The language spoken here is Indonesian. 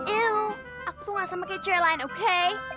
eww aku tuh gak sama kayak cewek lain oke